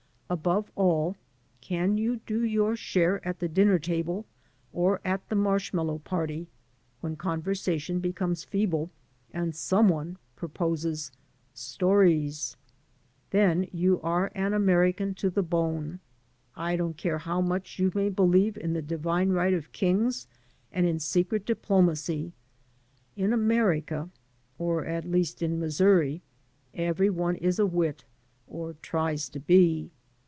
Above all, can you do your share at the dinner table or at the marshmallow party when conversation becomes feeble and some one proposes "stories'*? Then you are an American to the bone, I don't care how much you may believe in the divine right of kings and in secret diplo macy. In America — or at least in Missouri — every one is a wit, or tries to be.